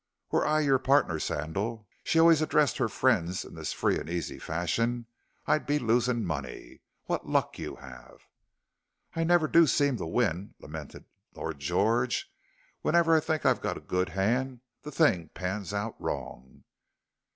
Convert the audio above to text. "Were I your partner, Sandal," she always addressed her friends in this free and easy fashion, "I'd be losing money. What luck you have!" "I never do seem to win," lamented Lord George. "Whenever I think I've got a good hand, the thing pans out wrong."